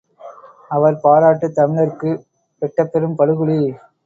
அவர் பாராட்டு தமிழர்க்கு வெட்டப்பெறும் படுகுழி!